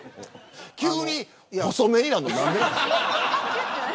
急に細目になるの何でですか。